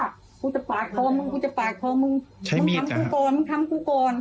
กูจะปล่ายคอมึงกูจะปล่ายคอมึงใช้มีดจ้ะมึงทำกูกรมึงทำกูกร